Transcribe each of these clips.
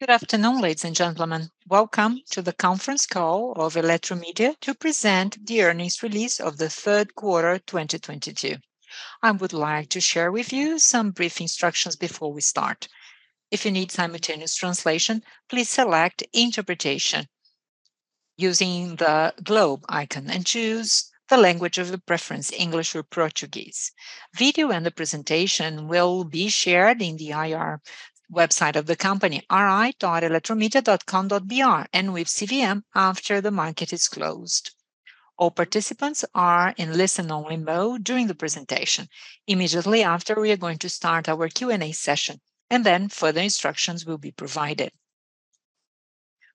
Good afternoon, ladies and gentlemen. Welcome to the conference call of Eletromidia to present the earnings release of the third quarter 2022. I would like to share with you some brief instructions before we start. If you need simultaneous translation, please select interpretation using the globe icon and choose the language of your preference, English or Portuguese. Video and the presentation will be shared in the IR website of the company, ri.eletromidia.com.br and with CVM after the market is closed. All participants are in listen only mode during the presentation. Immediately after, we are going to start our Q&A session and then further instructions will be provided.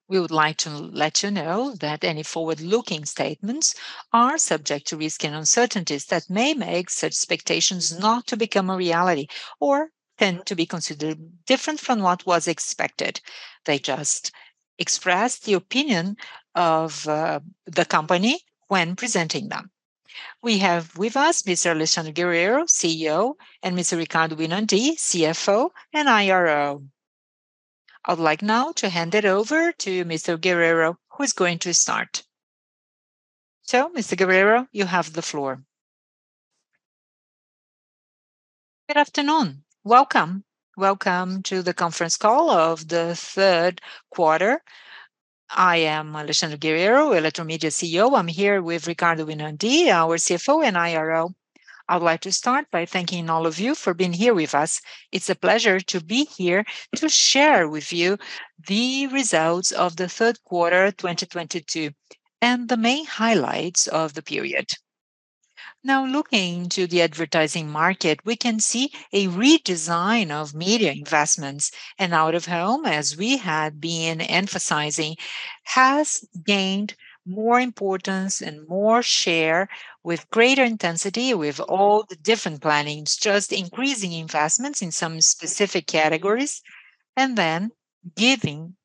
We would like to let you know that any forward-looking statements are subject to risk and uncertainties that may make such expectations not to become a reality or tend to be considered different from what was expected. They just express the opinion of the company when presenting them. We have with us Mr. Alexandre Guerrero, CEO, and Mr. Ricardo Winandy, CFO and IRO. I would like now to hand it over to Mr. Guerrero, who is going to start. Mr. Guerrero, you have the floor. Good afternoon. Welcome. Welcome to the conference call of the third quarter. I am Alexandre Guerrero, Eletromidia CEO. I'm here with Ricardo Winandy, our CFO and IRO. I would like to start by thanking all of you for being here with us. It's a pleasure to be here to share with you the results of the third quarter 2022, and the main highlights of the period. Now, looking to the advertising market, we can see a redesign of media investments and Out-of-Home, as we had been emphasizing, has gained more importance and more share with greater intensity with all the different plannings, just increasing investments in some specific categories and then giving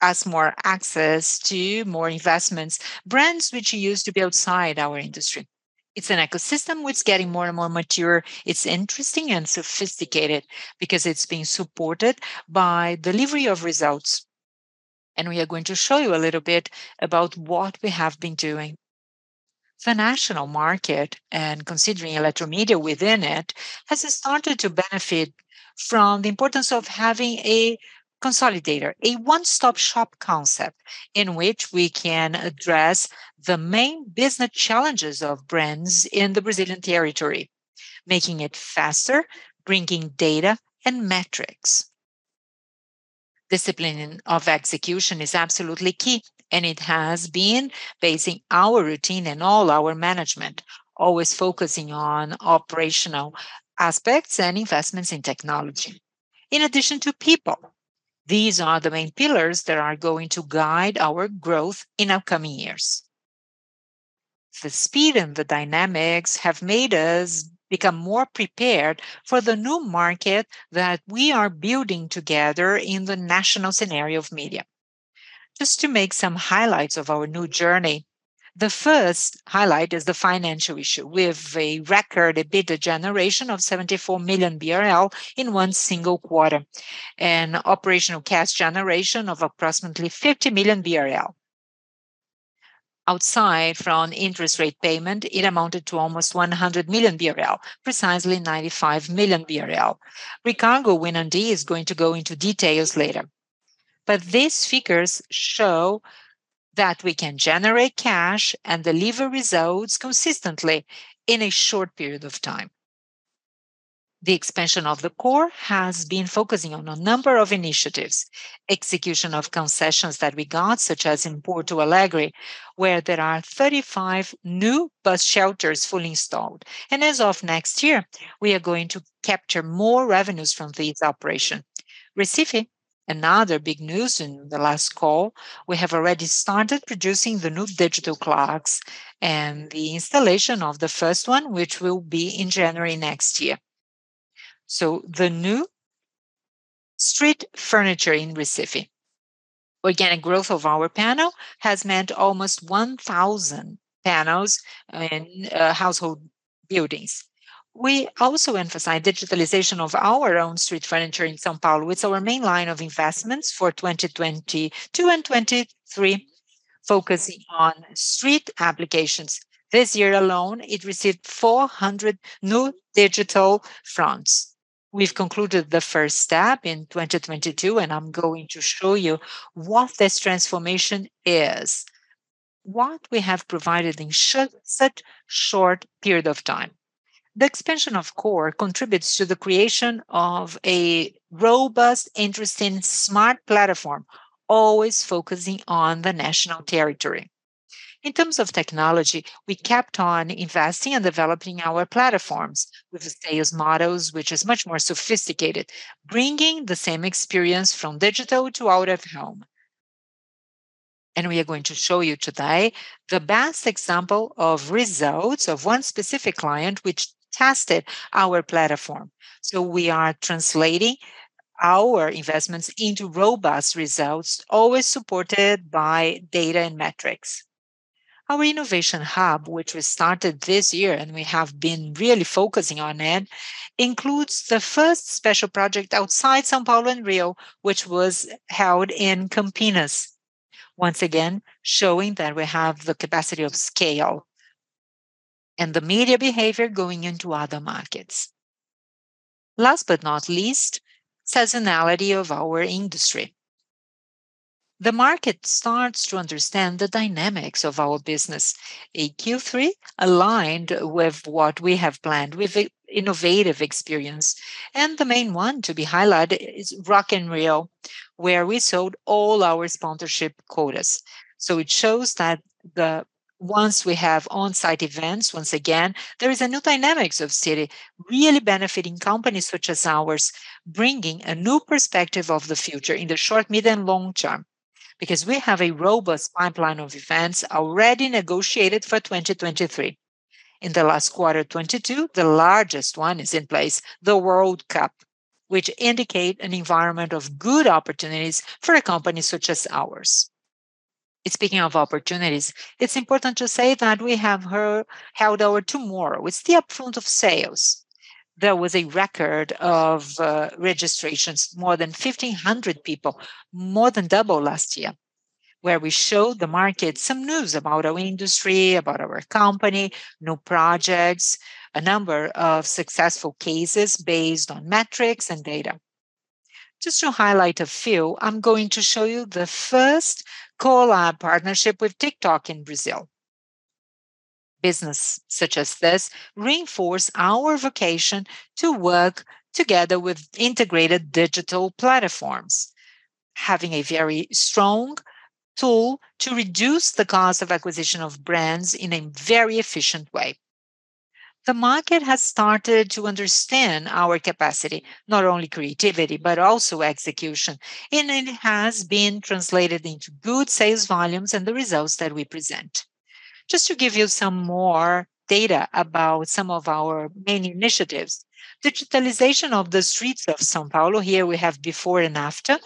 us more access to more investments, brands which used to be outside our industry. It's an ecosystem which is getting more and more mature. It's interesting and sophisticated because it's being supported by delivery of results, and we are going to show you a little bit about what we have been doing. The national market, and considering Eletromidia within it, has started to benefit from the importance of having a consolidator, a one-stop shop concept in which we can address the main business challenges of brands in the Brazilian territory, making it faster, bringing data and metrics. Discipline of execution is absolutely key, and it has been the basis of our routine and all our management, always focusing on operational aspects and investments in technology. In addition to people, these are the main pillars that are going to guide our growth in upcoming years. The speed and the dynamics have made us become more prepared for the new market that we are building together in the national scenario of media. Just to make some highlights of our new journey, the first highlight is the financial issue. We have a record EBITDA generation of 74 million BRL in one single quarter, an operational cash generation of approximately 50 million BRL. Apart from interest rate payment, it amounted to almost 100 million BRL, precisely 95 million BRL. Ricardo Winandi is going to go into details later. These figures show that we can generate cash and deliver results consistently in a short period of time. The expansion of the core has been focusing on a number of initiatives. Execution of concessions that we got, such as in Porto Alegre, where there are 35 new bus shelters fully installed. As of next year, we are going to capture more revenues from this operation. Recife, another big news in the last call, we have already started producing the new digital clocks and the installation of the first one, which will be in January next year. The new street furniture in Recife. Organic growth of our panel has meant almost 1,000 panels in household buildings. We also emphasize digitalization of our own street furniture in São Paulo. It's our main line of investments for 2022 and 2023, focusing on street applications. This year alone, it received 400 new digital fronts. We've concluded the first step in 2022, and I'm going to show you what this transformation is, what we have provided in such short period of time. The expansion of core contributes to the creation of a robust, interesting, smart platform, always focusing on the national territory. In terms of technology, we kept on investing and developing our platforms with the sales models, which is much more sophisticated, bringing the same experience from digital to out-of-home. We are going to show you today the best example of results of one specific client which tested our platform. We are translating our investments into robust results, always supported by data and metrics. Our innovation hub, which we started this year and we have been really focusing on it, includes the first special project outside São Paulo and Rio, which was held in Campinas. Once again, showing that we have the capacity to scale and the media behavior going into other markets. Last but not least, seasonality of our industry. The market starts to understand the dynamics of our business. Our Q3 aligned with what we have planned with innovative experience. The main one to be highlighted is Rock in Rio, where we sold all our sponsorship quotas. It shows that the Once we have on-site events, once again, there is a new dynamics of city really benefiting companies such as ours, bringing a new perspective of the future in the short, mid, and long term, because we have a robust pipeline of events already negotiated for 2023. In the last quarter, 2022, the largest one is in place, the World Cup, which indicate an environment of good opportunities for a company such as ours. Speaking of opportunities, it's important to say that we have held our Tomorrowland upfront sales. There was a record of registrations, more than 1,500 people, more than double last year, where we showed the market some news about our industry, about our company, new projects, a number of successful cases based on metrics and data. Just to highlight a few, I'm going to show you the first collab partnership with TikTok in Brazil. Business such as this reinforce our vocation to work together with integrated digital platforms, having a very strong tool to reduce the cost of acquisition of brands in a very efficient way. The market has started to understand our capacity, not only creativity, but also execution. It has been translated into good sales volumes and the results that we present. Just to give you some more data about some of our main initiatives, digitalization of the streets of São Paulo. Here we have before and after.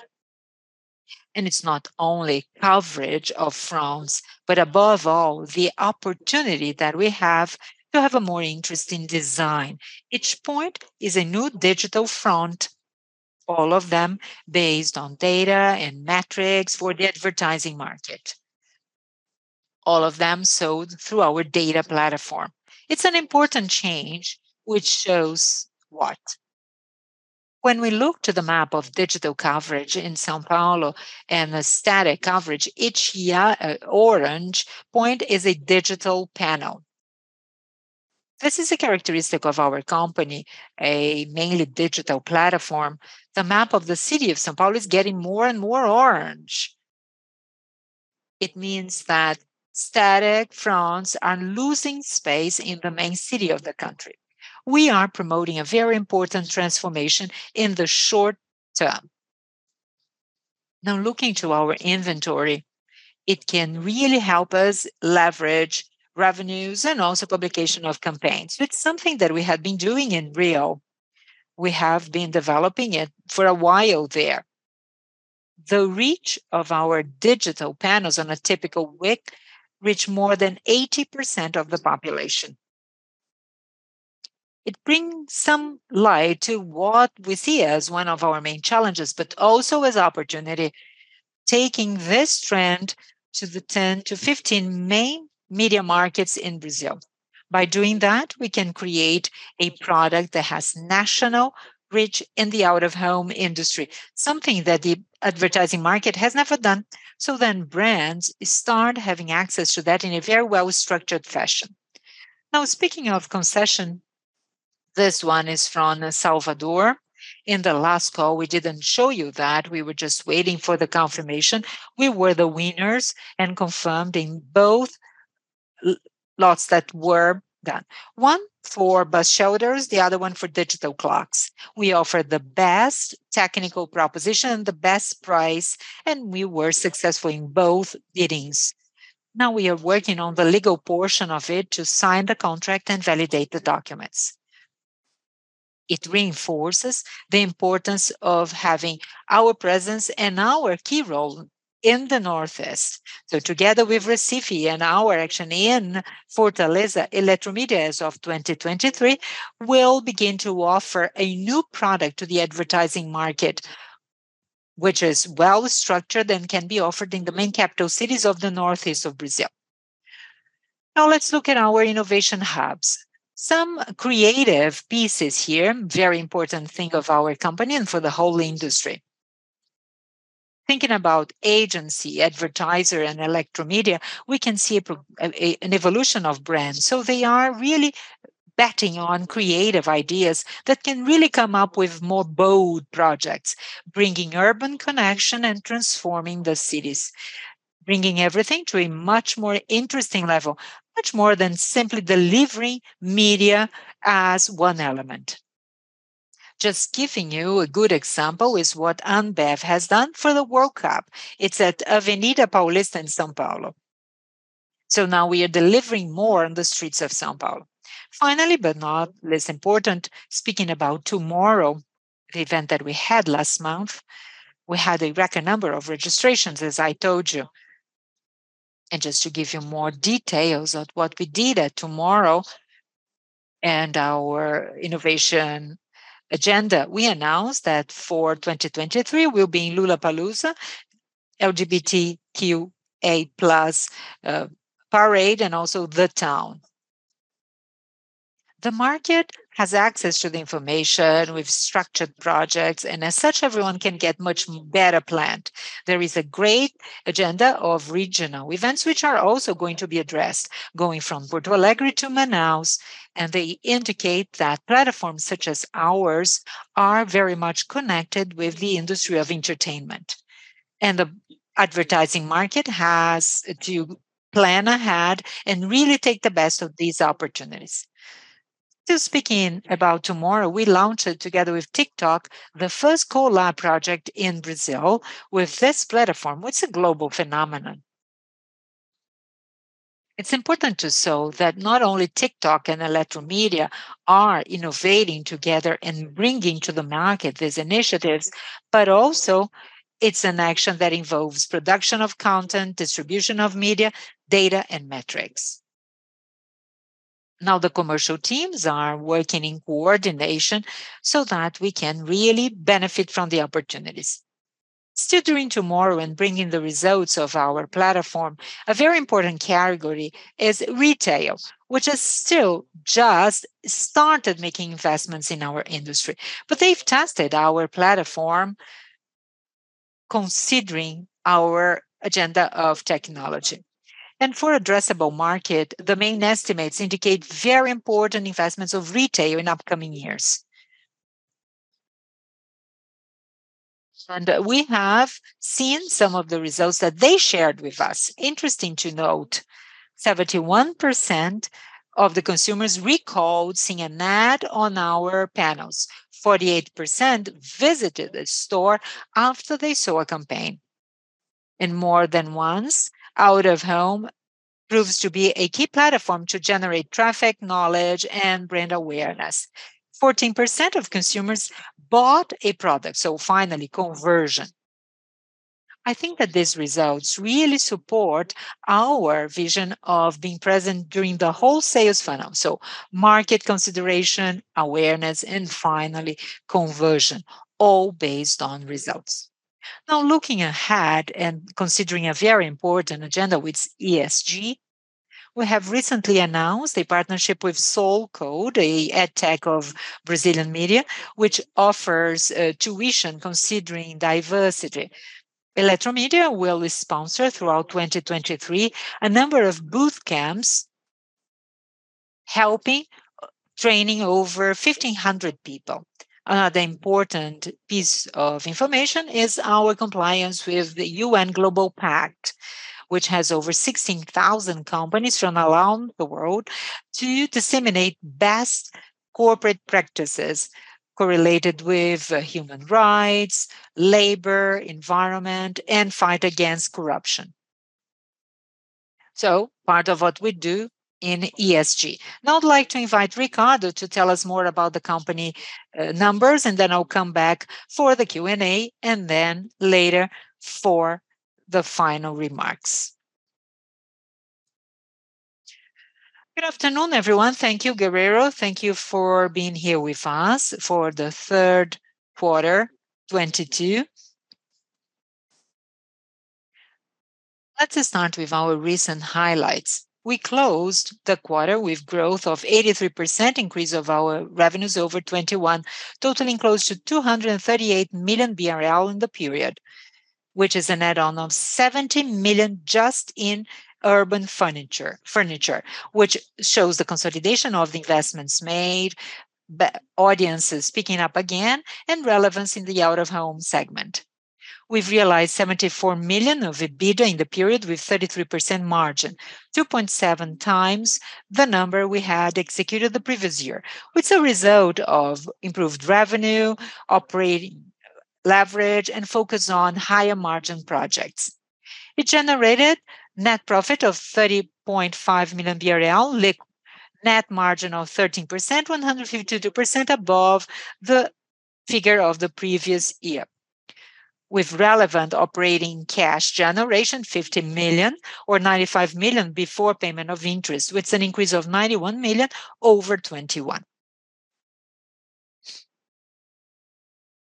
It's not only coverage of fronts, but above all, the opportunity that we have to have a more interesting design. Each point is a new digital front, all of them based on data and metrics for the advertising market. All of them sold through our data platform. It's an important change which shows what? When we look to the map of digital coverage in São Paulo and the static coverage, each orange point is a digital panel. This is a characteristic of our company, a mainly digital platform. The map of the city of São Paulo is getting more and more orange. It means that static fronts are losing space in the main city of the country. We are promoting a very important transformation in the short term. Now looking to our inventory, it can really help us leverage revenues and also publication of campaigns. It's something that we have been doing in Rio. We have been developing it for a while there. The reach of our digital panels on a typical week reach more than 80% of the population. It brings some light to what we see as one of our main challenges, but also as opportunity, taking this trend to the 10-15 main media markets in Brazil. By doing that, we can create a product that has national reach in the Out-of-Home industry, something that the advertising market has never done. Brands start having access to that in a very well-structured fashion. Now speaking of concession, this one is from Salvador. In the last call, we didn't show you that. We were just waiting for the confirmation. We were the winners and confirmed in both lots that were done. One for bus shelters, the other one for digital clocks. We offered the best technical proposition, the best price, and we were successful in both biddings. Now we are working on the legal portion of it to sign the contract and validate the documents. It reinforces the importance of having our presence and our key role in the Northeast. Together with Recife and our action in Fortaleza, Eletromidia as of 2023 will begin to offer a new product to the advertising market, which is well-structured and can be offered in the main capital cities of the Northeast of Brazil. Now let's look at our innovation hubs. Some creative pieces here, very important thing of our company and for the whole industry. Thinking about agency, advertiser, and Eletromidia, we can see an evolution of brands. They are really betting on creative ideas that can really come up with more bold projects, bringing urban connection and transforming the cities, bringing everything to a much more interesting level, much more than simply delivering media as one element. Just giving you a good example is what Ambev has done for the World Cup. It's at Avenida Paulista in São Paulo. Now we are delivering more on the streets of São Paulo. Finally, but not less important, speaking about Tomorrowland. The event that we had last month, we had a record number of registrations, as I told you. Just to give you more details of what we did at Tomorrowland and our innovation agenda, we announced that for 2023, we'll be in Lollapalooza, LGBTQIA+ parade, and also The Town. The market has access to the information with structured projects, and as such, everyone can get much better planned. There is a great agenda of regional events which are also going to be addressed, going from Porto Alegre to Manaus, and they indicate that platforms such as ours are very much connected with the industry of entertainment. The advertising market has to plan ahead and really take the best of these opportunities. Still speaking about Tomorrow, we launched together with TikTok, the first co-lab project in Brazil with this platform, which is a global phenomenon. It's important to show that not only TikTok and Eletromidia are innovating together and bringing to the market these initiatives, but also it's an action that involves production of content, distribution of media, data, and metrics. Now the commercial teams are working in coordination so that we can really benefit from the opportunities. Still doing Tomorrow and bringing the results of our platform, a very important category is retail, which has still just started making investments in our industry. But they've tested our platform considering our agenda of technology. For addressable market, the main estimates indicate very important investments of retail in upcoming years. We have seen some of the results that they shared with us. Interesting to note, 71% of the consumers recalled seeing an ad on our panels. 48% visited a store after they saw a campaign. More than once, Out-of-Home proves to be a key platform to generate traffic, knowledge, and brand awareness. 14% of consumers bought a product, so finally, conversion. I think that these results really support our vision of being present during the whole sales funnel. Market consideration, awareness, and finally conversion, all based on results. Now looking ahead and considering a very important agenda with ESG, we have recently announced a partnership with SoulCode, an edtech of Brazilian media, which offers tuition considering diversity. Eletromidia will sponsor throughout 2023 a number of boot camps helping training over 1,500 people. Another important piece of information is our compliance with the UN Global Compact, which has over 16,000 companies from around the world to disseminate best corporate practices correlated with human rights, labor, environment, and fight against corruption. Part of what we do in ESG. Now I'd like to invite Ricardo to tell us more about the company, numbers, and then I'll come back for the Q&A, and then later for the final remarks. Good afternoon, everyone. Thank you, Guerrero. Thank you for being here with us for the third quarter 2022. Let us start with our recent highlights. We closed the quarter with growth of 83% increase of our revenues over 2021, totaling close to 238 million BRL in the period, which is an add-on of 70 million just in urban furniture, which shows the consolidation of the investments made, audiences picking up again, and relevance in the Out-of-Home segment. We've realized 74 million of EBITDA in the period with 33% margin, 2.7 times the number we had executed the previous year. It's a result of improved revenue, operating leverage, and focus on higher margin projects. It generated net profit of 30.5 million BRL, net margin of 13%, 152% above the figure of the previous year, with relevant operating cash generation, 50 million or 95 million before payment of interest, with an increase of 91 million over 2021.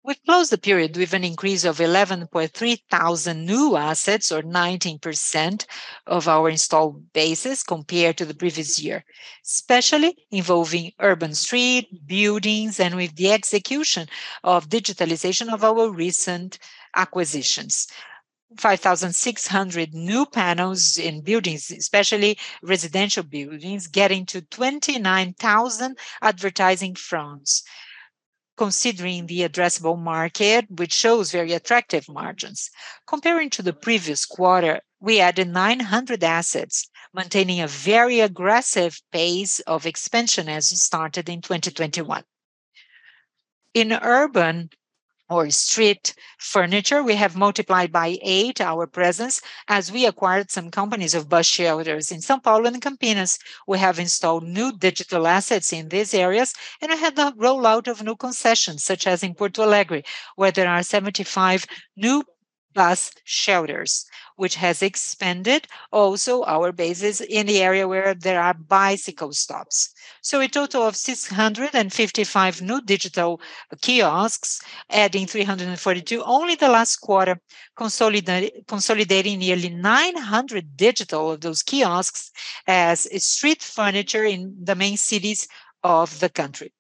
We closed the period with an increase of 11,300 new assets or 19% of our installed bases compared to the previous year, especially involving urban street, buildings, and with the execution of digitalization of our recent acquisitions. 5,600 new panels in buildings, especially residential buildings, getting to 29,000 advertising fronts, considering the addressable market, which shows very attractive margins. Comparing to the previous quarter, we added 900 assets, maintaining a very aggressive pace of expansion as we started in 2021. In urban or street furniture. We have multiplied by eight our presence as we acquired some companies of bus shelters in São Paulo and Campinas. We have installed new digital assets in these areas, and we have the rollout of new concessions, such as in Porto Alegre, where there are 75 new bus shelters, which has expanded also our bases in the area where there are bicycle stops. A total of 655 new digital kiosks, adding 342. Only the last quarter consolidating nearly 900 digital of those kiosks as street furniture in the main cities of the country.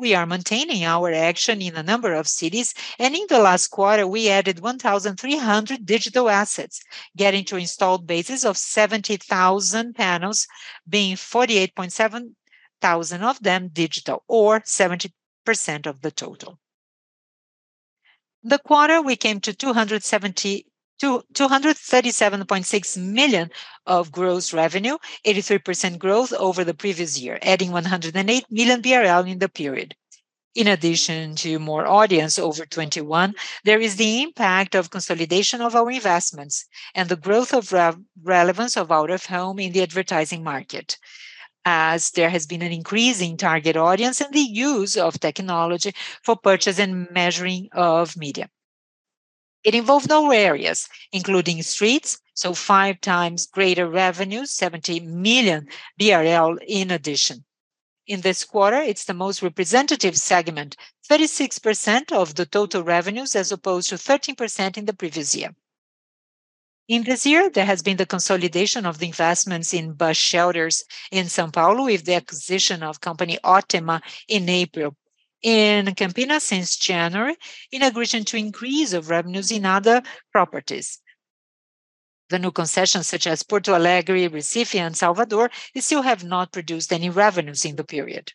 We are maintaining our action in a number of cities, and in the last quarter, we added 1,300 digital assets, getting to installed bases of 70,000 panels, being 48.7 thousand of them digital, or 70% of the total. The quarter, we came to 270. to 237.6 million of gross revenue, 83% growth over the previous year, adding 108 million BRL in the period. In addition to more audience over 2021, there is the impact of consolidation of our investments and the growth of relevance of Out-of-Home in the advertising market, as there has been an increase in target audience and the use of technology for purchase and measuring of media. It involved our areas, including streets, so 5 times greater revenue, 70 million BRL in addition. In this quarter, it's the most representative segment, 36% of the total revenues as opposed to 13% in the previous year. In this year, there has been the consolidation of the investments in bus shelters in São Paulo with the acquisition of company Otima in April. In Campinas since January, in addition to increase of revenues in other properties. The new concessions such as Porto Alegre, Recife, and Salvador still have not produced any revenues in the period.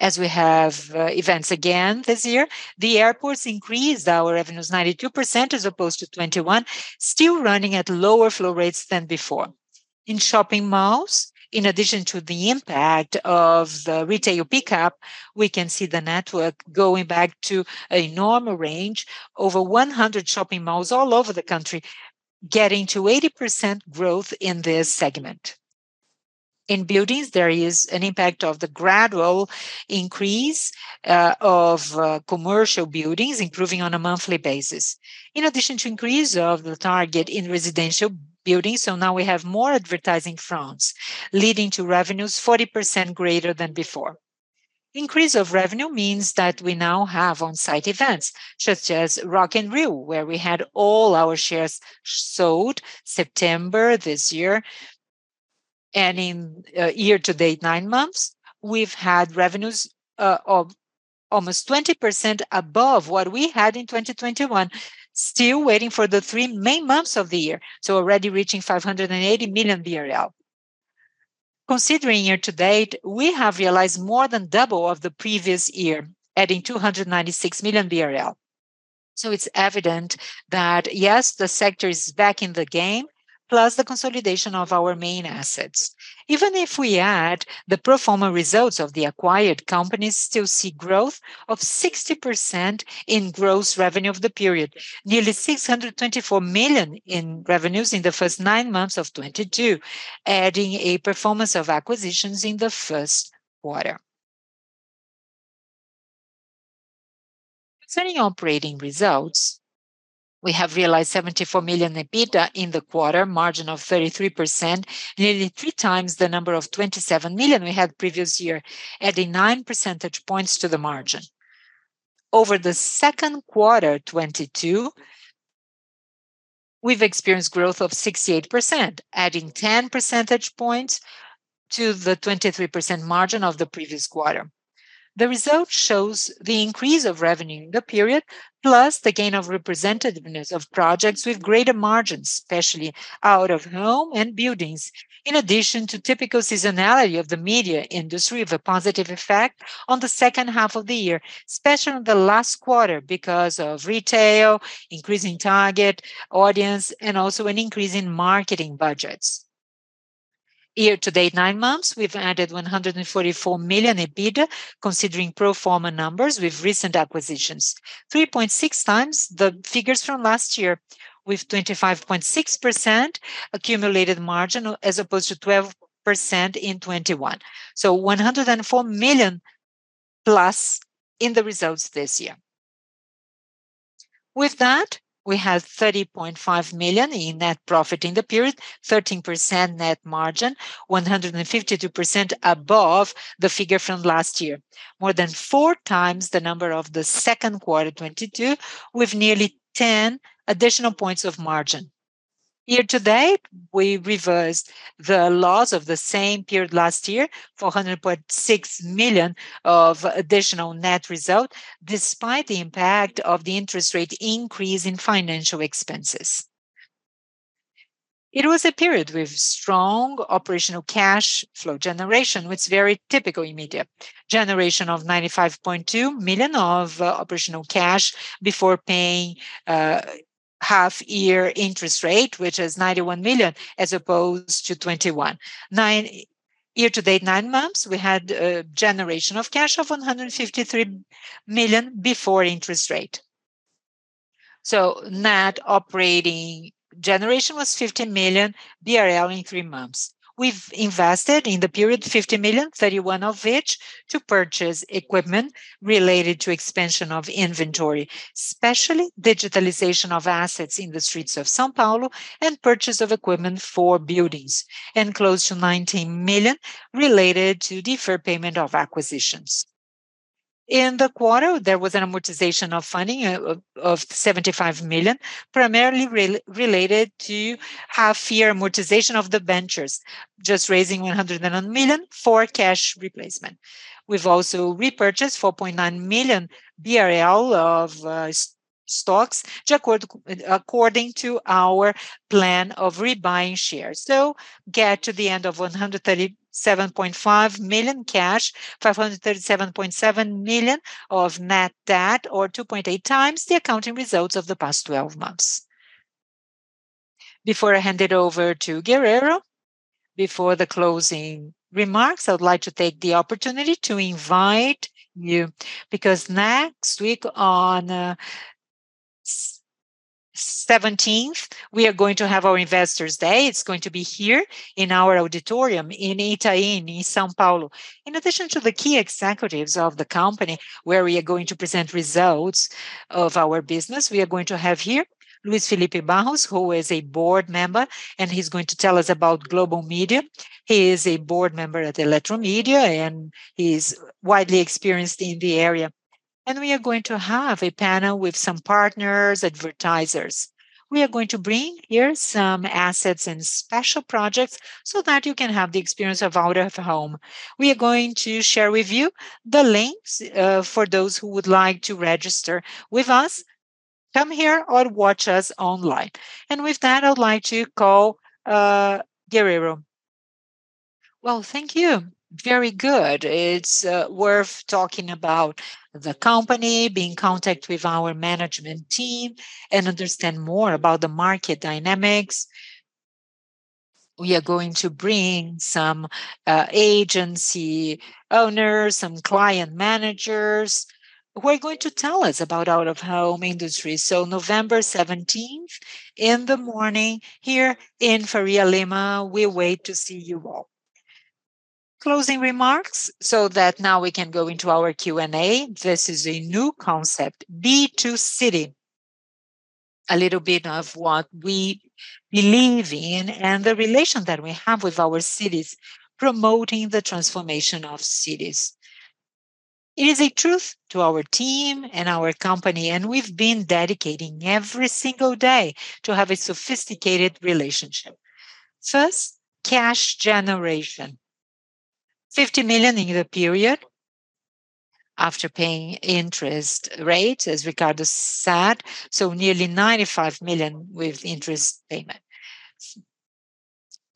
As we have events again this year, the airports increased our revenues 92% as opposed to 2021, still running at lower flow rates than before. In shopping malls, in addition to the impact of the retail pick-up, we can see the network going back to a normal range. Over 100 shopping malls all over the country getting to 80% growth in this segment. In buildings, there is an impact of the gradual increase of commercial buildings improving on a monthly basis. In addition to increase of the target in residential buildings, so now we have more advertising fronts, leading to revenues 40% greater than before. Increase of revenue means that we now have on-site events such as Rock in Rio, where we had all our shares sold in September this year. In year-to-date nine months, we've had revenues of almost 20% above what we had in 2021, still waiting for the three main months of the year, already reaching 580 million. Considering year-to-date, we have realized more than double of the previous year, adding 296 million BRL. It's evident that, yes, the sector is back in the game, plus the consolidation of our main assets. Even if we add the pro forma results of the acquired companies, we still see growth of 60% in gross revenue of the period. Nearly 624 million in revenues in the first nine months of 2022, adding the performance of acquisitions in the first quarter. Regarding operating results, we have realized 74 million EBITDA in the quarter, margin of 33%, nearly three times the number of 27 million we had previous year, adding nine percentage points to the margin. Over the second quarter 2022, we've experienced growth of 68%, adding 10 percentage points to the 23% margin of the previous quarter. The result shows the increase of revenue in the period, plus the gain of representativeness of projects with greater margins, especially Out-of-Home and buildings, in addition to typical seasonality of the media industry of a positive effect on the second half of the year, especially on the last quarter because of retail, increasing target audience, and also an increase in marketing budgets. Year-to-date nine months, we've added 144 million EBITDA, considering pro forma numbers with recent acquisitions. 3.6x the figures from last year with 25.6% accumulated margin as opposed to 12% in 2021. One hundred and four million plus in the results this year. With that, we have 30.5 million in net profit in the period, 13% net margin, 152% above the figure from last year. More than 4x the number of the second quarter 2022, with nearly 10 additional points of margin. Year-to-date, we reversed the loss of the same period last year, 400.6 million of additional net result, despite the impact of the interest rate increase in financial expenses. It was a period with strong operational cash flow generation, which is very typical in media. Generation of 95.2 million of operational cash before paying half year interest rate, which is 91 million, as opposed to 2021. Year-to-date nine months, we had a generation of cash of 153 million before interest rate. Net operating generation was 50 million BRL in three months. We've invested in the period 50 million, 31 of which to purchase equipment related to expansion of inventory, especially digitalization of assets in the streets of São Paulo, and purchase of equipment for buildings, and close to 19 million related to deferred payment of acquisitions. In the quarter, there was an amortization of funding of 75 million, primarily related to half-year amortization of the debentures, thus raising 101 million for cash replacement. We've also repurchased 4.9 million BRL of stocks according to our plan of rebuying shares. Get to the end of 137.5 million cash, 537.7 million of net debt, or 2.8x the accounting results of the past 12 months. Before I hand it over to Guerrero, before the closing remarks, I would like to take the opportunity to invite you, because next week on the seventeenth, we are going to have our Investor Day. It's going to be here in our auditorium in Itaim, in São Paulo. In addition to the key executives of the company, where we are going to present results of our business, we are going to have here Luiz Felipe Barros, who is a board member, and he's going to tell us about global media. He is a board member at Eletromidia, and he's widely experienced in the area. We are going to have a panel with some partners, advertisers. We are going to bring here some assets and special projects so that you can have the experience of Out-of-Home. We are going to share with you the links for those who would like to register with us. Come here or watch us online. With that, I would like to call Guerrero. Well, thank you. Very good. It's worth talking about the company, be in contact with our management team and understand more about the market dynamics. We are going to bring some agency owners, some client managers, who are going to tell us about Out-of-Home industry. November seventeenth, in the morning here in Faria Lima, we wait to see you all. Closing remarks, now we can go into our Q&A. This is a new concept, B2City. A little bit of what we believe in and the relation that we have with our cities, promoting the transformation of cities. It is a truth to our team and our company, and we've been dedicating every single day to have a sophisticated relationship. First, cash generation. 50 million in the period after paying interest rate, as Ricardo said, so nearly 95 million with interest payment.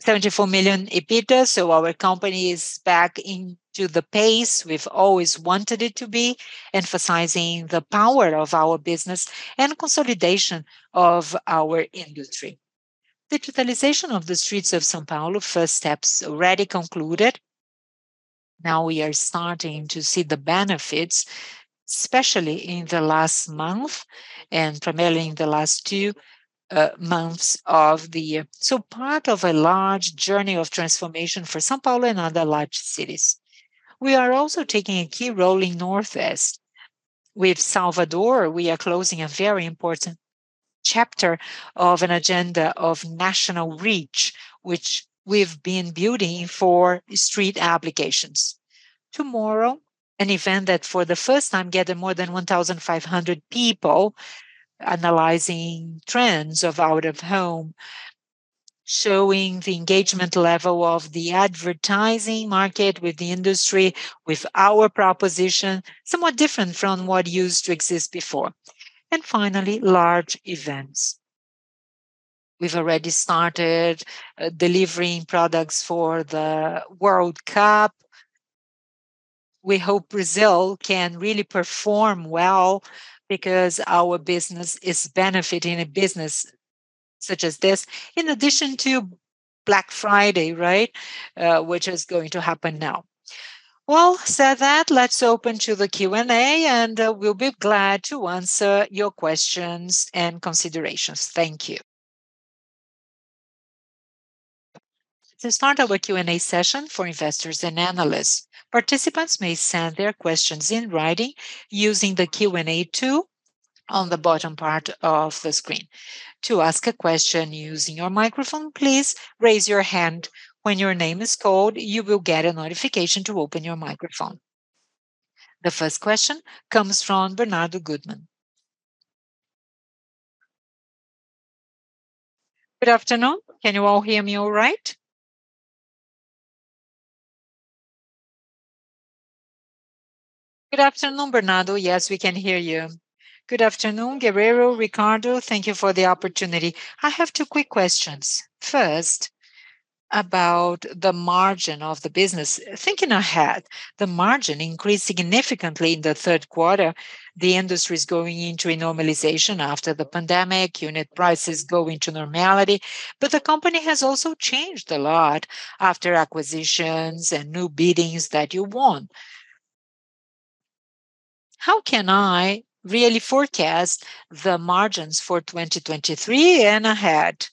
74 million EBITDA, so our company is back into the pace we've always wanted it to be, emphasizing the power of our business and consolidation of our industry. Digitalization of the streets of São Paulo, first steps already concluded. Now we are starting to see the benefits, especially in the last month and primarily in the last two months of the year. Part of a large journey of transformation for São Paulo and other large cities. We are also taking a key role in Northeast. With Salvador, we are closing a very important chapter of an agenda of national reach, which we've been building for street applications. Tomorrow, an event that for the first time gathered more than 1,500 people analyzing trends of Out-of-Home, showing the engagement level of the advertising market with the industry, with our proposition, somewhat different from what used to exist before. Finally, large events. We've already started delivering products for the World Cup. We hope Brazil can really perform well because our business is benefiting a business such as this. In addition to Black Friday, right? Which is going to happen now. With that said, let's open to the Q&A, and we'll be glad to answer your questions and considerations. Thank you. To start our Q&A session for investors and analysts, participants may send their questions in writing using the Q&A tool on the bottom part of the screen. To ask a question using your microphone, please raise your hand. When your name is called, you will get a notification to open your microphone. The first question comes from Bernardo Goodman. Good afternoon. Can you all hear me all right? Good afternoon, Bernardo. Yes, we can hear you. Good afternoon, Guerrero, Ricardo. Thank you for the opportunity. I have two quick questions. First, about the margin of the business. Thinking ahead, the margin increased significantly in the third quarter. The industry is going into a normalization after the pandemic. Unit prices going to normality. The company has also changed a lot after acquisitions and new biddings that you won. How can I really forecast the margins for 2023 and ahead?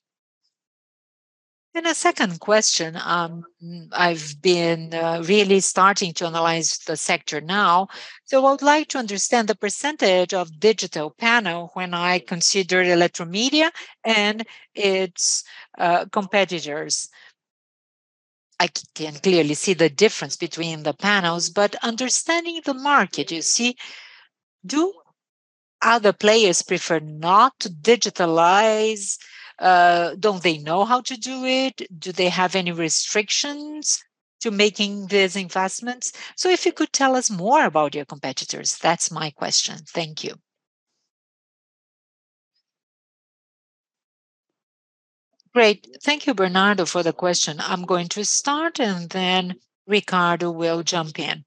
A second question, I've been really starting to analyze the sector now. I would like to understand the percentage of digital panel when I consider Eletromidia and its competitors. I can clearly see the difference between the panels, but understanding the market, you see, do other players prefer not to digitalize? Don't they know how to do it? Do they have any restrictions to making these investments? If you could tell us more about your competitors, that's my question. Thank you. Great. Thank you, Bernardo, for the question. I'm going to start, and then Ricardo will jump in.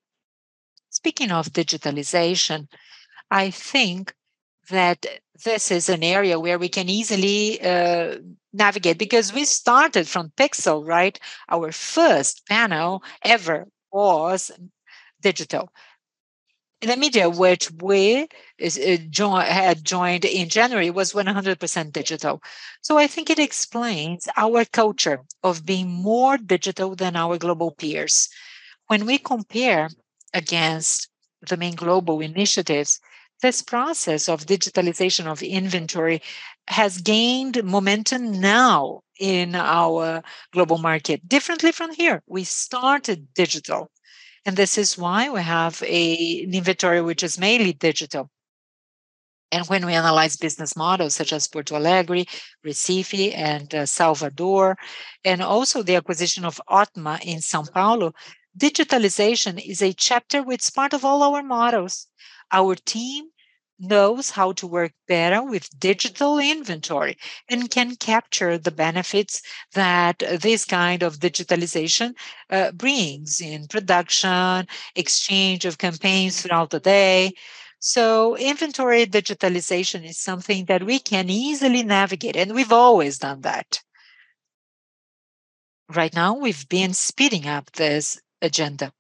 Speaking of digitalization, I think that this is an area where we can easily navigate because we started from pixel, right? Our first panel ever was digital. In Elemidia which we had joined in January was 100% digital. I think it explains our culture of being more digital than our global peers. When we compare against the main global initiatives, this process of digitalization of inventory has gained momentum now in our global market. Differently from here, we started digital, and this is why we have an inventory which is mainly digital. When we analyze business models such as Porto Alegre, Recife, and Salvador, and also the acquisition of Otima in São Paulo, digitalization is a chapter which is part of all our models. Our team knows how to work better with digital inventory and can capture the benefits that this kind of digitalization brings in production, exchange of campaigns throughout the day. Inventory digitalization is something that we can easily navigate, and we've always done that. Right now, we've been speeding up this agenda.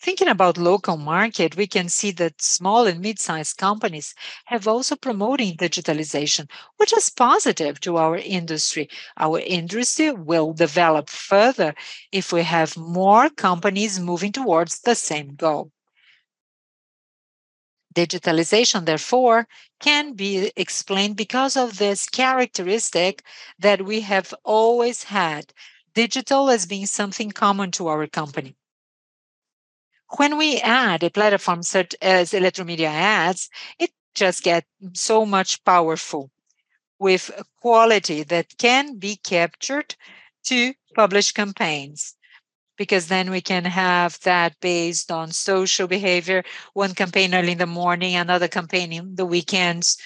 Thinking about local market, we can see that small and mid-sized companies have also promoting digitalization, which is positive to our industry. Our industry will develop further if we have more companies moving towards the same goal. Digitalization, therefore, can be explained because of this characteristic that we have always had. Digital has been something common to our company. When we add a platform such as Eletromidia Ads, it just get so much powerful with quality that can be captured to publish campaigns, because then we can have that based on social behavior, one campaign early in the morning, another campaign in the weekends.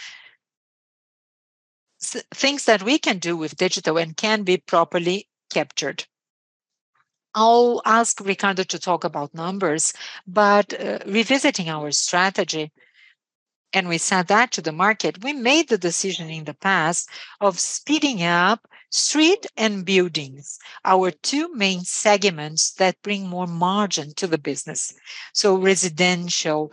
Things that we can do with digital and can be properly captured. I'll ask Ricardo to talk about numbers, but revisiting our strategy, and we said that to the market, we made the decision in the past of speeding up street and buildings, our two main segments that bring more margin to the business. Residential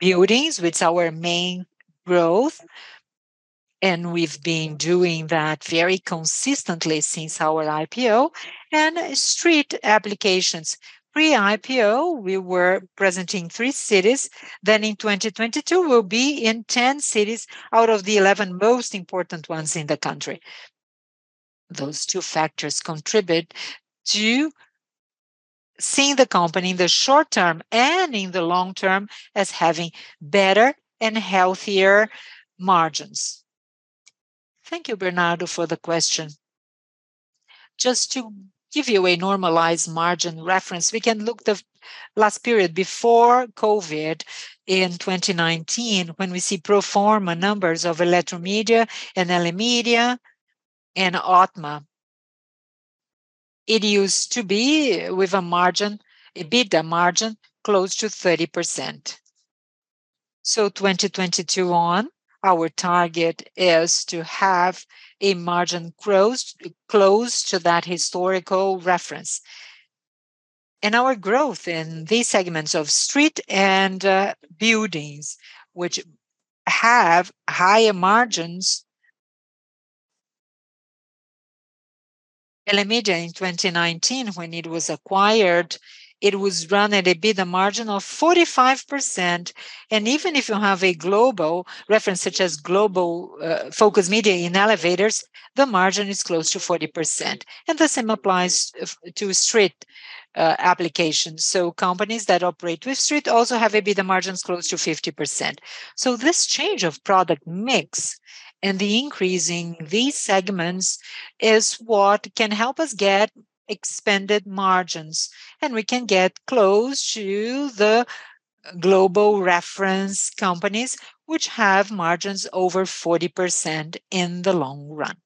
buildings, which our main growth, and we've been doing that very consistently since our IPO, and street applications. Pre-IPO, we were present in three cities. Then in 2022, we'll be in 10 cities out of the 11 most important ones in the country. Those two factors contribute to seeing the company in the short term and in the long term as having better and healthier margins. Thank you, Bernardo, for the question. Just to give you a normalized margin reference, we can look at the last period before COVID in 2019 when we see pro forma numbers of Eletromidia and Elemidia and Otima. It used to be with a margin, EBITDA margin, close to 30%. 2022 on, our target is to have a margin close to that historical reference. Our growth in these segments of street and buildings, which have higher margins. Elemidia in 2019 when it was acquired, it was run at EBITDA margin of 45%. Even if you have a global reference, such as Focus Media in elevators, the margin is close to 40%. The same applies to street applications. Companies that operate with street also have EBITDA margins close to 50%. This change of product mix and the increase in these segments is what can help us get expanded margins, and we can get close to the global reference companies which have margins over 40% in the long run.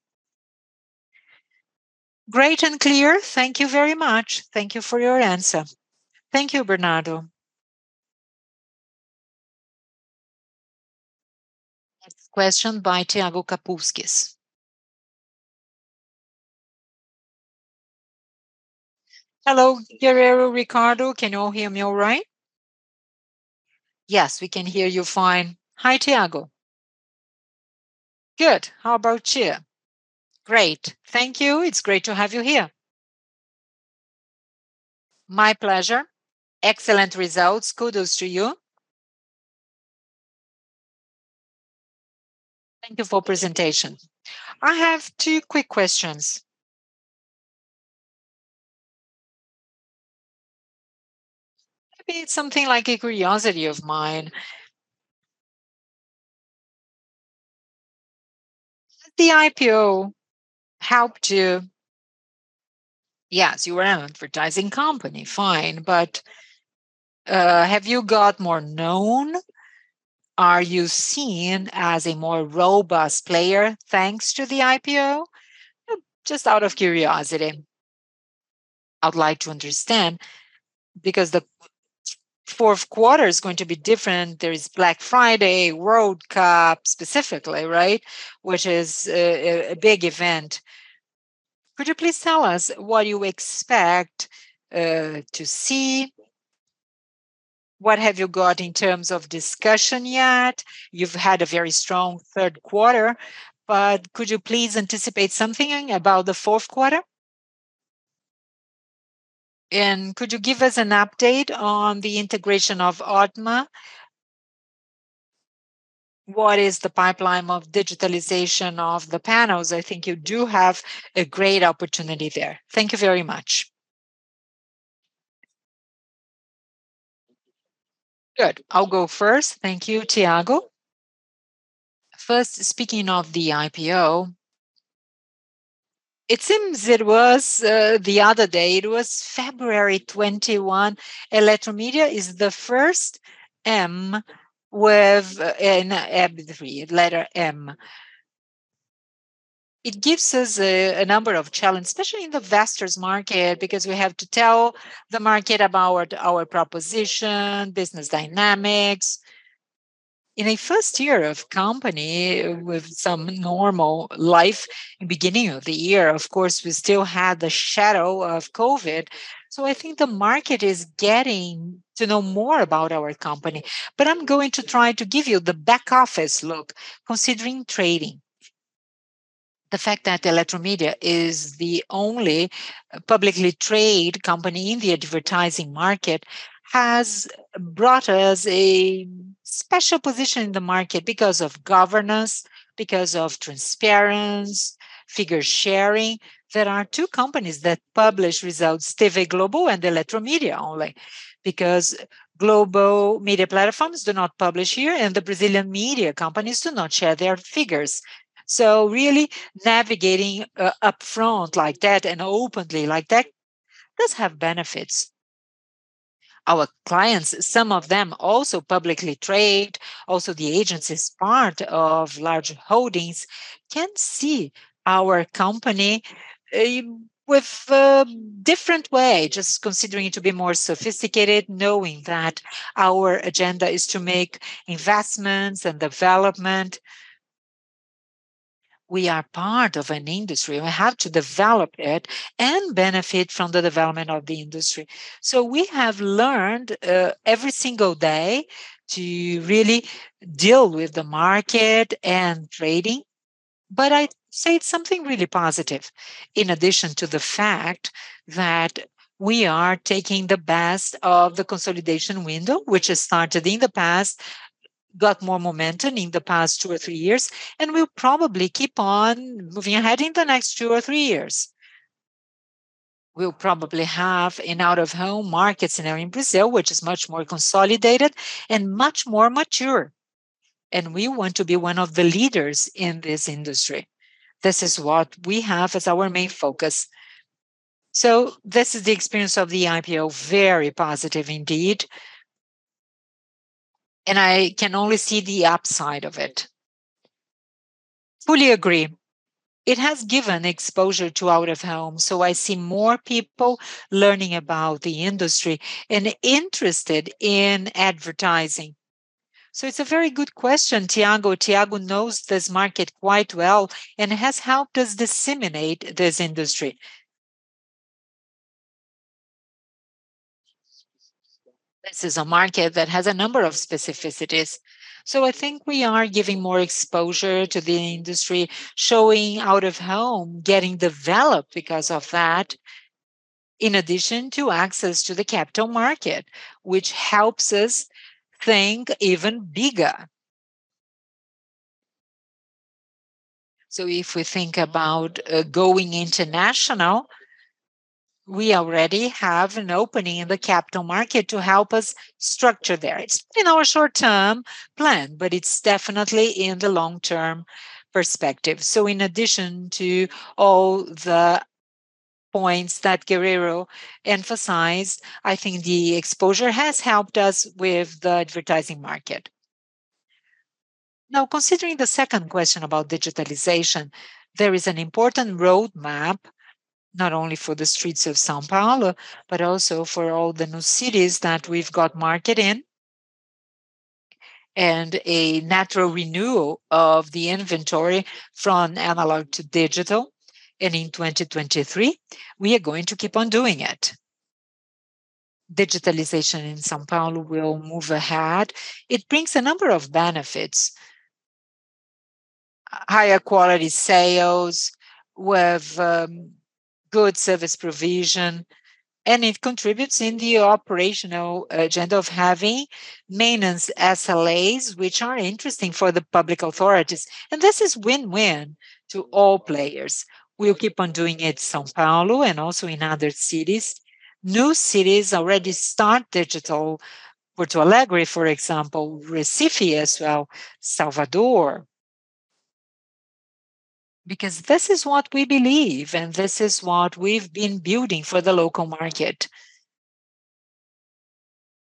Great and clear. Thank you very much. Thank you for your answer. Thank you, Bernardo. Next question by Thiago Kapulskis. Hello, Guerrero, Ricardo. Can you all hear me all right? Yes, we can hear you fine. Hi, Thiago. Good. How about you? Great. Thank you. It's great to have you here. My pleasure. Excellent results. Kudos to you. Thank you for presentation. I have two quick questions. Maybe it's something like a curiosity of mine. The IPO helped you. Yes, you were an advertising company, fine, but, have you got more known? Are you seen as a more robust player thanks to the IPO? Just out of curiosity. I would like to understand, because the fourth quarter is going to be different. There is Black Friday, World Cup specifically, right? Which is a big event. Could you please tell us what you expect to see? What have you got in terms of discussion yet? You've had a very strong third quarter, but could you please anticipate something about the fourth quarter? Could you give us an update on the integration of Adma? What is the pipeline of digitalization of the panels? I think you do have a great opportunity there. Thank you very much. Good. I'll go first. Thank you, Tiago. First, speaking of the IPO, it seems it was the other day, it was 21st February. Eletromidia is the first M with an M three, letter M. It gives us a number of challenges, especially in the investors market, because we have to tell the market about our proposition, business dynamics. In a first year of company with some normal life, beginning of the year, of course, we still had the shadow of COVID. I think the market is getting to know more about our company. I'm going to try to give you the back office look, considering trading. The fact that Eletromidia is the only publicly traded company in the advertising market has brought us a special position in the market because of governance, because of transparency, figure sharing. There are two companies that publish results, TV Globo and Eletromidia only. Because global media platforms do not publish here, and the Brazilian media companies do not share their figures. Really navigating up front like that and openly like that does have benefits. Our clients, some of them also publicly traded. Also the agencies part of large holdings can see our company in a different way, just considering it to be more sophisticated, knowing that our agenda is to make investments and development. We are part of an industry. We have to develop it and benefit from the development of the industry. We have learned every single day to really deal with the market and trading. I'd say it's something really positive in addition to the fact that we are taking the best of the consolidation window, which has started in the past, got more momentum in the past two or three years, and will probably keep on moving ahead in the next two or three years. We'll probably have an Out-of-Home market scenario in Brazil, which is much more consolidated and much more mature, and we want to be one of the leaders in this industry. This is what we have as our main focus. This is the experience of the IPO, very positive indeed. I can only see the upside of it. Fully agree. It has given exposure to Out-of-Home, so I see more people learning about the industry and interested in advertising. It's a very good question, Thiago. Thiago knows this market quite well and has helped us disseminate this industry. This is a market that has a number of specificities. I think we are giving more exposure to the industry, showing Out-of-Home getting developed because of that. In addition to access to the capital market, which helps us think even bigger. If we think about going international, we already have an opening in the capital market to help us structure there. It's in our short term plan, but it's definitely in the long term perspective. In addition to all the points that Guerrero emphasized, I think the exposure has helped us with the advertising market. Now considering the second question about digitalization, there is an important road map, not only for the streets of São Paulo, but also for all the new cities that we've got market in. A natural renewal of the inventory from analog to digital. In 2023, we are going to keep on doing it. Digitalization in São Paulo will move ahead. It brings a number of benefits. Higher quality sales with good service provision, and it contributes in the operational agenda of having maintenance SLAs which are interesting for the public authorities, and this is win-win to all players. We'll keep on doing it, São Paulo and also in other cities. New cities already start digital. Porto Alegre, for example, Recife as well, Salvador. Because this is what we believe, and this is what we've been building for the local market.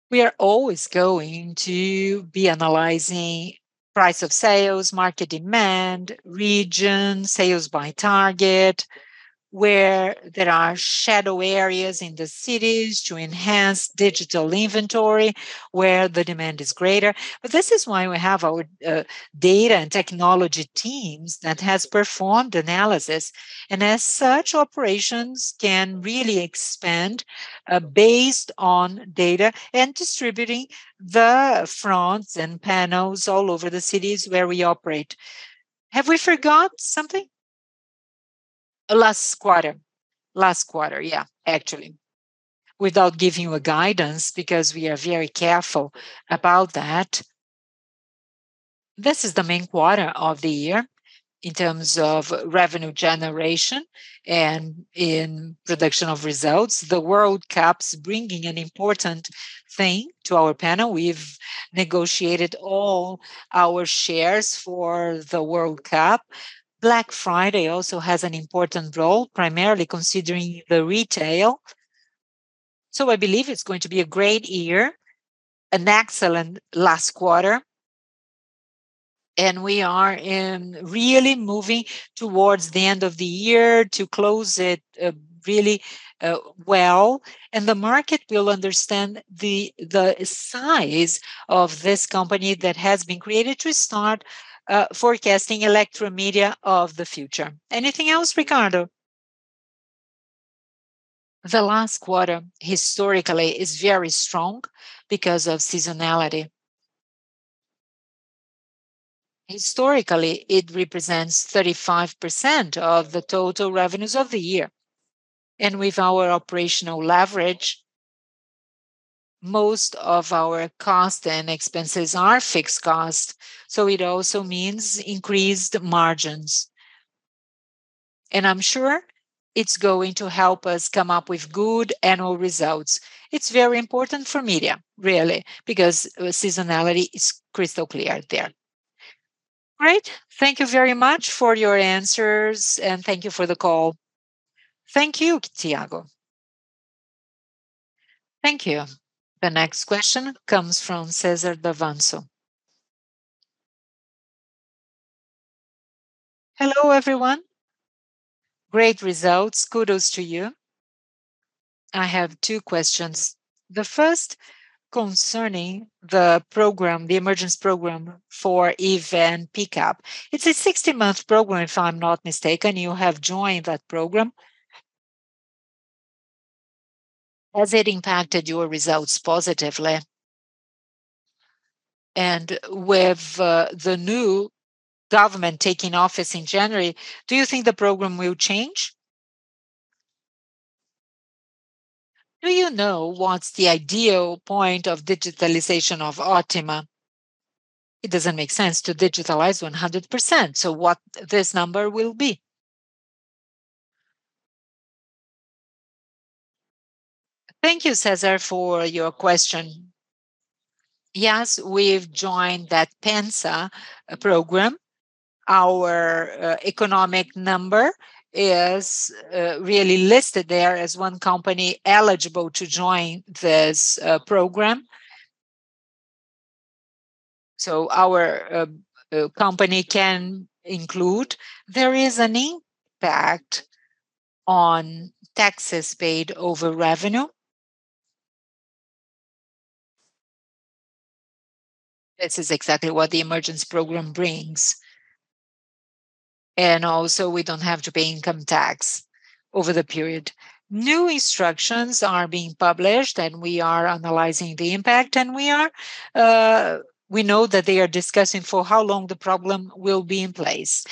We are always going to be analyzing price of sales, market demand, region, sales by target, where there are shadow areas in the cities to enhance digital inventory where the demand is greater. This is why we have our data and technology teams that has performed analysis. As such, operations can really expand based on data and distributing the fronts and panels all over the cities where we operate. Have we forgot something? Last quarter, yeah, actually. Without giving you a guidance because we are very careful about that, this is the main quarter of the year in terms of revenue generation and in production of results. The World Cup's bringing an important thing to our panel. We've negotiated all our shares for the World Cup. Black Friday also has an important role, primarily considering the retail. I believe it's going to be a great year, an excellent last quarter, and we are really moving towards the end of the year to close it really well. The market will understand the size of this company that has been created to start forecasting Eletromidia of the future. Anything else, Ricardo? The last quarter historically is very strong because of seasonality. Historically, it represents 35% of the total revenues of the year. With our operational leverage, most of our cost and expenses are fixed cost, so it also means increased margins. I'm sure it's going to help us come up with good annual results. It's very important for media, really, because seasonality is crystal clear there. Great. Thank you very much for your answers and thank you for the call. Thank you, Thiago. Thank you. The next question comes from Cesar Davanzo. Hello, everyone. Great results. Kudos to you. I have two questions. The first concerning the program, the Emergency program for the events sector. It's a 60 months program, if I'm not mistaken. You have joined that program. Has it impacted your results positively? With the new government taking office in January, do you think the program will change? Do you know what's the ideal point of digitalization of Otima? It doesn't make sense to digitalize 100%, so what this number will be? Thank you, Cesar Davanzo, for your question. Yes, we've joined that PERSE program. Our economic number is really listed there as one company eligible to join this program. So our company can include. There is an impact on taxes paid over revenue. This is exactly what the Emergency program brings. Also we don't have to pay income tax over the period. New instructions are being published, and we are analyzing the impact, and we are. We know that they are discussing for how long the program will be in place.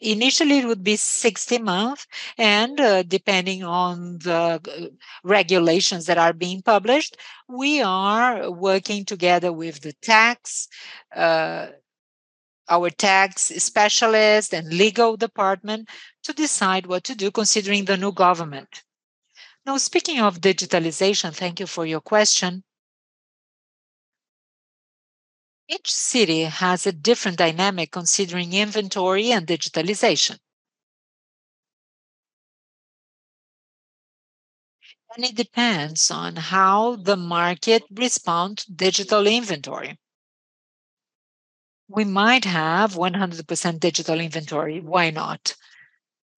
Initially it would be 60 months, and depending on the regulations that are being published, we are working together with the tax, our tax specialist and legal department to decide what to do considering the new government. Now speaking of digitalization, thank you for your question. Each city has a different dynamic considering inventory and digitalization. It depends on how the market respond to digital inventory. We might have 100% digital inventory. Why not?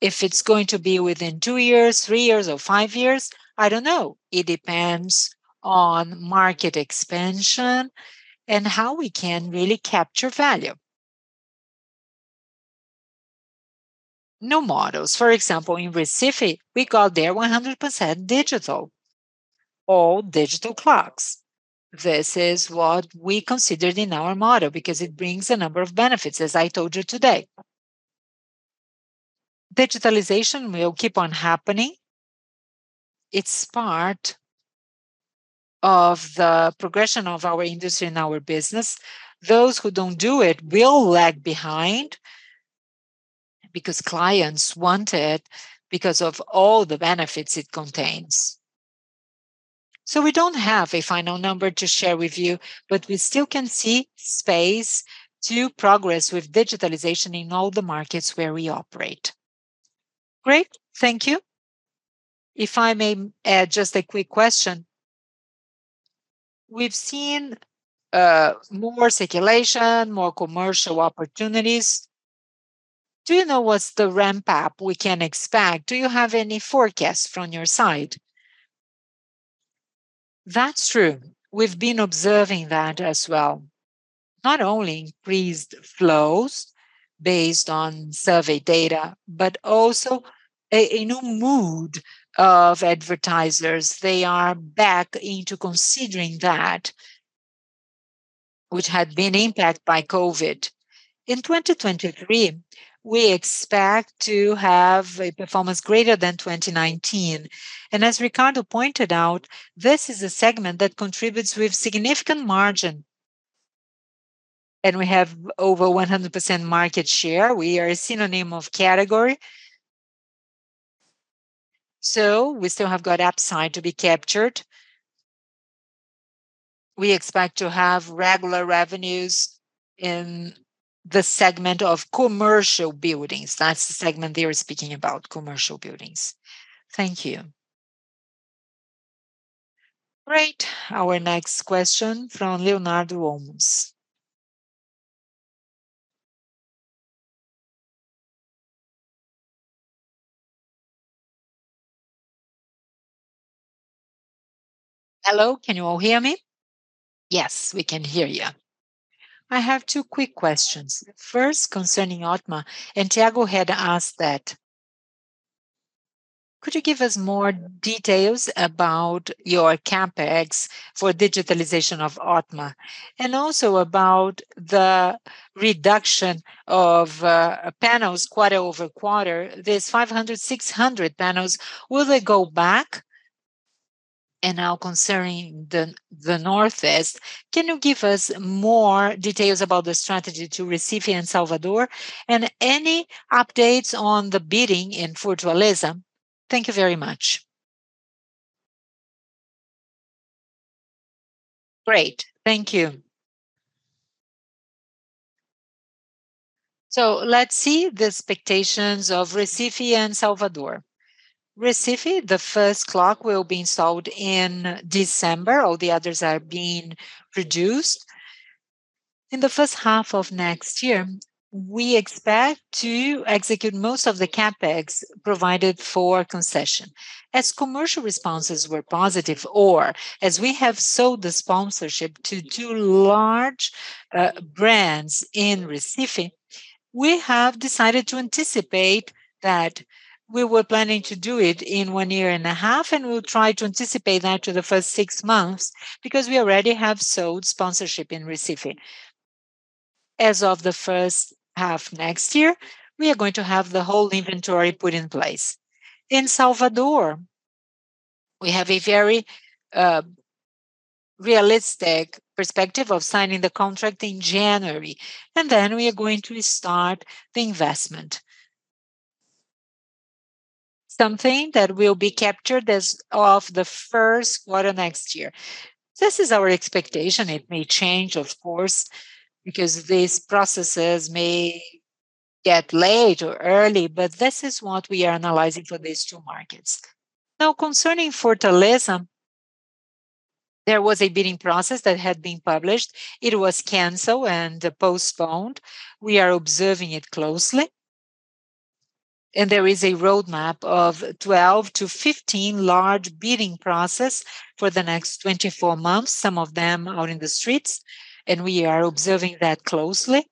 If it's going to be within two years, three years, or five years, I don't know. It depends on market expansion and how we can really capture value. New models. For example, in Recife, we got there 100% digital. All digital clocks. This is what we considered in our model because it brings a number of benefits, as I told you today. Digitalization will keep on happening. It's part of the progression of our industry and our business. Those who don't do it will lag behind because clients want it because of all the benefits it contains. So we don't have a final number to share with you, but we still can see space to progress with digitalization in all the markets where we operate. Great. Thank you. If I may add just a quick question. We've seen, more circulation, more commercial opportunities. Do you know what's the ramp-up we can expect? Do you have any forecasts from your side? That's true. We've been observing that as well. Not only increased flows based on survey data, but also a new mood of advertisers. They are back into considering that which had been impacted by COVID. In 2023, we expect to have a performance greater than 2019, and as Ricardo pointed out, this is a segment that contributes with significant margin. We have over 100% market share. We are a synonym of category. We still have got upside to be captured. We expect to have regular revenues in the segment of commercial buildings. That's the segment they are speaking about, commercial buildings. Thank you. Great. Our next question from Leonardo Olmos. Hello, can you all hear me? Yes, we can hear you. I have two quick questions. First, concerning Otima, and Thiago had asked that. Could you give us more details about your CapEx for digitalization of Otima, and also about the reduction of panels quarter-over-quarter. There are 500, 600 panels. Will they go back? Now concerning the Northeast, can you give us more details about the strategy to Recife and Salvador, and any updates on the bidding in Fortaleza? Thank you very much. Great. Thank you. Let's see the expectations of Recife and Salvador. Recife, the first clock will be installed in December. All the others are being produced. In the first half of next year, we expect to execute most of the CapEx provided for concession. As commercial responses were positive, or as we have sold the sponsorship to two large brands in Recife, we have decided to anticipate that we were planning to do it in one year and a half, and we'll try to anticipate that to the first six months because we already have sold sponsorship in Recife. As of the first half next year, we are going to have the whole inventory put in place. In Salvador, we have a very realistic perspective of signing the contract in January, and then we are going to start the investment. Something that will be captured as of the first quarter next year. This is our expectation. It may change, of course, because these processes may get late or early, but this is what we are analyzing for these two markets. Now, concerning Fortaleza, there was a bidding process that had been published. It was canceled and postponed. We are observing it closely. There is a roadmap of 12-15 large bidding processes for the next 24 months. Some of them are in the streets, and we are observing that closely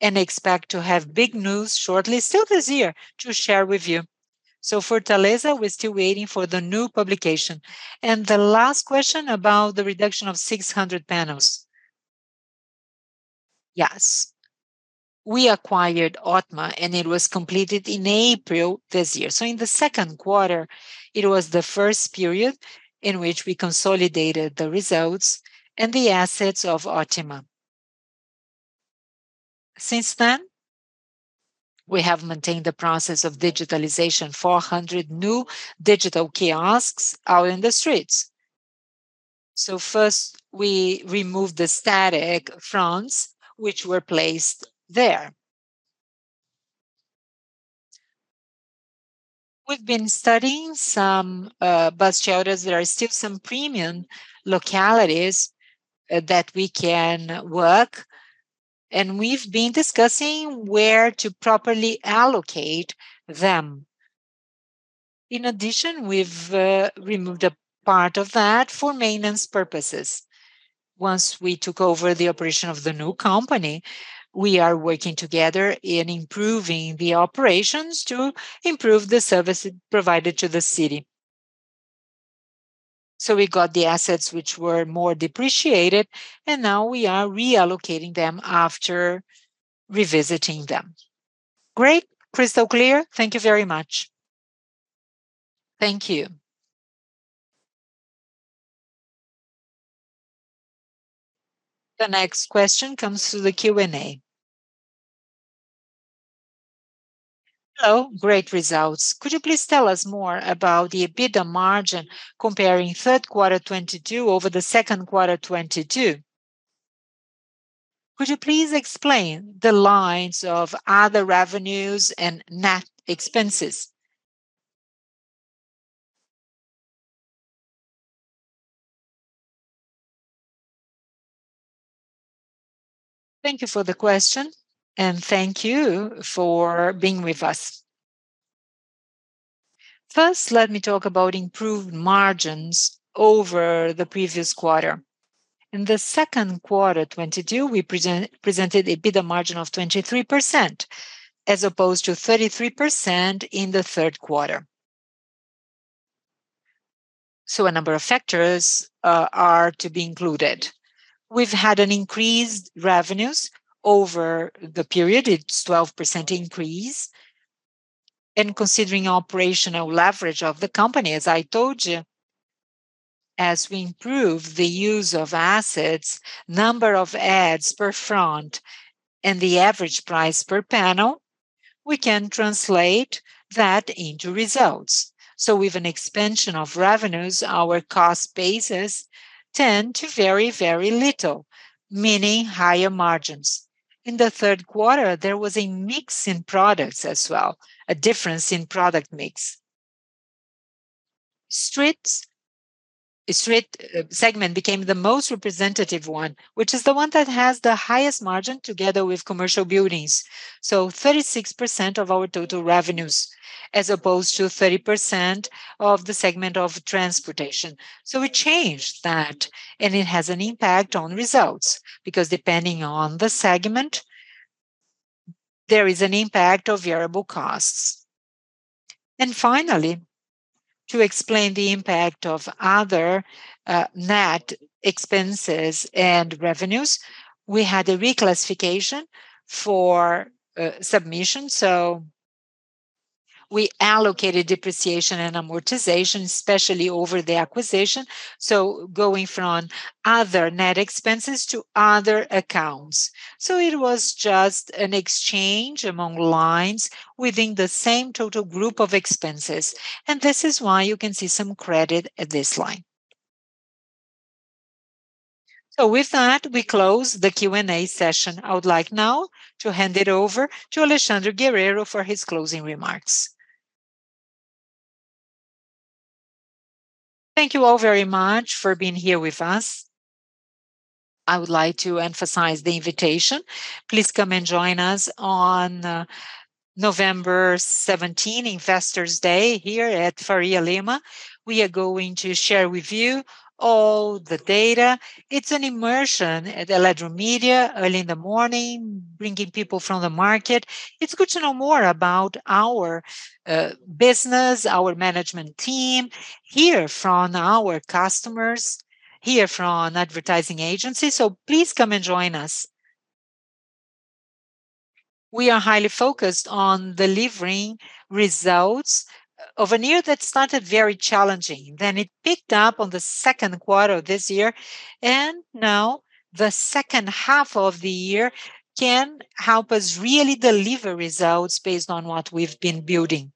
and expect to have big news shortly, still this year, to share with you. Fortaleza, we're still waiting for the new publication. The last question about the reduction of 600 panels. Yes. We acquired Otima, and it was completed in April this year. In the second quarter, it was the first period in which we consolidated the results and the assets of Otima. Since then, we have maintained the process of digitalization. 400 new digital kiosks are in the streets. First, we removed the static fronts which were placed there. We've been studying some bus shelters. There are still some premium localities that we can work, and we've been discussing where to properly allocate them. In addition, we've removed a part of that for maintenance purposes. Once we took over the operation of the new company, we are working together in improving the operations to improve the services provided to the city. We got the assets which were more depreciated, and now we are reallocating them after revisiting them. Great. Crystal clear. Thank you very much. Thank you. The next question comes through the Q&A. Hello. Great results. Could you please tell us more about the EBITDA margin comparing third quarter 2022 over the second quarter 2022? Could you please explain the lines of other revenues and net expenses? Thank you for the question, and thank you for being with us. First, let me talk about improved margins over the previous quarter. In the second quarter 2022, we presented an EBITDA margin of 23% as opposed to 33% in the third quarter. A number of factors are to be included. We've had an increase in revenues over the period. It's a 12% increase. Considering operational leverage of the company, as I told you, as we improve the use of assets, number of ads per front, and the average price per panel, we can translate that into results. With an expansion of revenues, our cost basis tend to vary very little, meaning higher margins. In the third quarter, there was a mix in products as well, a difference in product mix. Street segment became the most representative one, which is the one that has the highest margin together with commercial buildings, 36% of our total revenues as opposed to 30% of the segment of transportation. We changed that, and it has an impact on results. Because depending on the segment, there is an impact of variable costs. Finally, to explain the impact of other net expenses and revenues, we had a reclassification for submission. We allocated depreciation and amortization, especially over the acquisition, going from other net expenses to other accounts. It was just an exchange among lines within the same total group of expenses, and this is why you can see some credit at this line. With that, we close the Q&A session. I would like now to hand it over to Alexandre Guerrero for his closing remarks. Thank you all very much for being here with us. I would like to emphasize the invitation. Please come and join us on November 17, Investor Day here at Faria Lima. We are going to share with you all the data. It's an immersion at Eletromidia early in the morning, bringing people from the market. It's good to know more about our business, our management team. Hear from our customers, hear from advertising agencies, so please come and join us. We are highly focused on delivering results of a year that started very challenging, then it picked up on the second quarter of this year. Now the second half of the year can help us really deliver results based on what we've been building.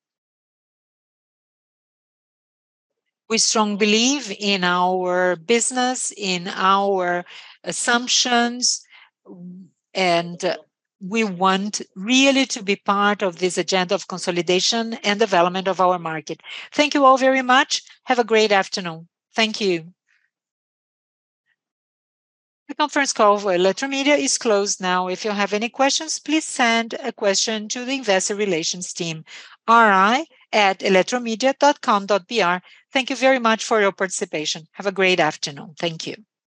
We strongly believe in our business, in our assumptions, and we really want to be part of this agenda of consolidation and development of our market. Thank you all very much. Have a great afternoon. Thank you. The conference call for Eletromidia is closed now. If you have any questions, please send a question to the investor relations team, ri@eletromidia.com.br. Thank you very much for your participation. Have a great afternoon. Thank you.